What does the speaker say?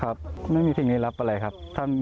ครับไม่มีสิ่งลี้ลับอะไรครับ